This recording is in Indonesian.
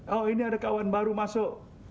oh ini ada kawan baru masuk